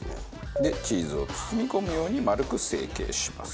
でチーズを包み込むように丸く成形します。